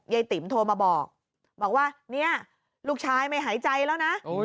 ติ๋มโทรมาบอกบอกว่าเนี่ยลูกชายไม่หายใจแล้วนะ